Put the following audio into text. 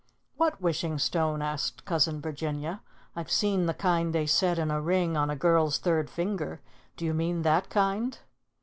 "What wishing stone?" asked Cousin Virginia. "I've seen the kind they set in a ring on a girl's third finger. Do you mean that kind?"